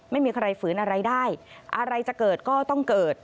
ไม่มีใครฝืนอะไรได้อะไรจะเกิดก็ต้องเกิด